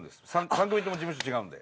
３組とも事務所違うんで。